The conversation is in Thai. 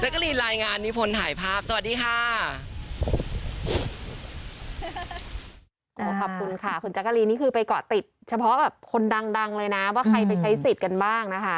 จั๊กกะลีนรายงานนิพนธ์ถ่ายภาพสวัสดีค่ะ